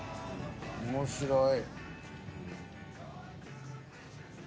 面白い。